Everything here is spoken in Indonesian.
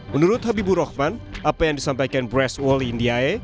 menurut habibu rohman apa yang disampaikan brace wally ndiaye